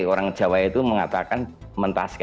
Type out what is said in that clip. orang jawa itu mengatakan mentaskah